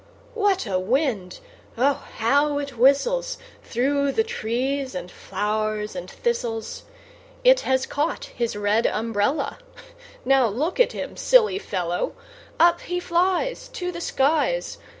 What a wind! oh! how it whistles Through the trees and flowers and thistles! It has caught his red umbrella: Now look at him, silly fellow Up he flies To the skies.